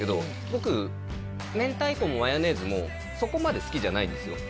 僕明太子もマヨネーズもそこまで好きじゃないんですよ